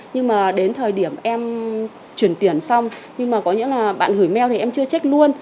nhưng mà đến thời điểm em chuyển tiền xong nhưng mà có những là bạn gửi mail thì em chưa check luôn